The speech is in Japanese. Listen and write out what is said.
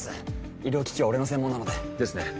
医療機器は俺の専門なのでですね